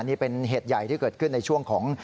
นี่เป็นเหตุใหญ่ที่เกิดขึ้นในช่วงของ